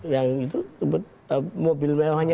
yang itu mobilnya